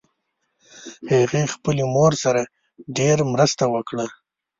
هغې خپلې مور سره ډېر مرسته وکړه